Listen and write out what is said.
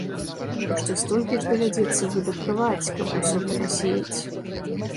Яшчэ столькі ж давядзецца выдаткаваць, каб усё перасеяць.